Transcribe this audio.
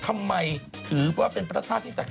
มันอาจจะเป็นเพลงที่ร้องได้